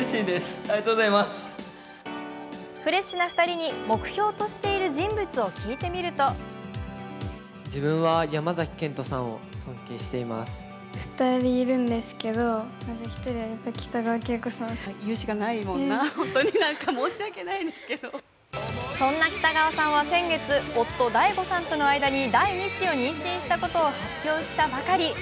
フレッシュな２人に、目標としている人物を聞いてみるとそんな北川さんは先月夫・ＤＡＩＧＯさんとの間に第２子を妊娠したことを発表したばかり。